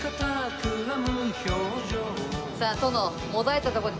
さあ殿。